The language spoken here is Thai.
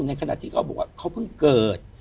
ในขณะที่เขาบอกว่าเขาเพิ่งเกิด